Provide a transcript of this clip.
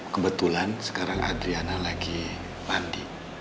kebetulan sekarang adriana lagi pandi